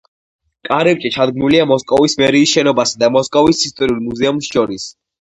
კარიბჭე ჩადგმულია მოსკოვის მერიის შენობასა და მოსკოვის ისტორიულ მუზეუმს შორის.